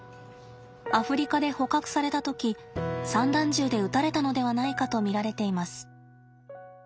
アフリカで捕獲された時散弾銃で撃たれたのではないかと見られています。